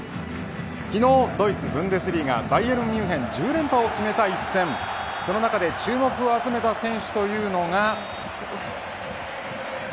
昨日、ドイツブンデスリーガバイエルンミュンヘン１０連覇を決めた一戦その中で注目を集めた選手というのが。